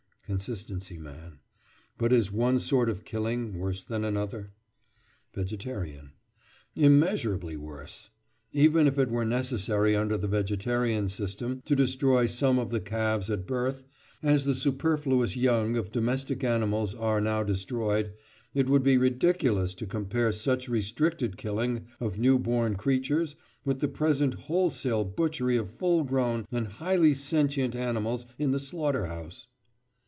CONSISTENCY MAN: But is one sort of killing worse than another? VEGETARIAN: Immeasurably worse. Even if it were necessary under the vegetarian system, to destroy some of the calves at birth, as the superfluous young of domestic animals are now destroyed, it would be ridiculous to compare such restricted killing of new born creatures with the present wholesale butchery of full grown and highly sentient animals in the slaughter house.